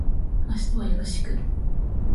明日はよろしく